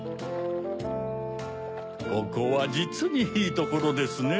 ここはじつにいいところですね。